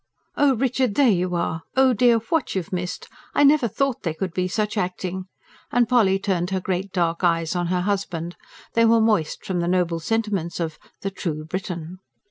"Oh, Richard, there you are! Oh dear, what you've missed! I never thought there could be such acting." And Polly turned her great dark eyes on her husband; they were moist from the noble sentiments of THE TRUE BRITON.